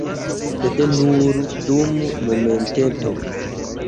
Sed nur dum momenteto.